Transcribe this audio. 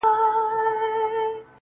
بشير ننګيال